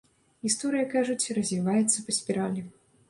Гісторыя, кажуць, развіваецца па спіралі.